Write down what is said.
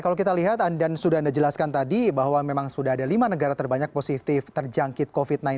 kalau kita lihat dan sudah anda jelaskan tadi bahwa memang sudah ada lima negara terbanyak positif terjangkit covid sembilan belas